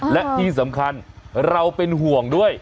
และที่สำคัญเราเป็นห่วงด้วย